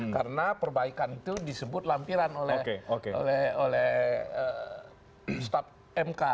karena perbaikan itu disebut lampiran oleh staf mk